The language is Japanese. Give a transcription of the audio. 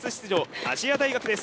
亜細亜大学です。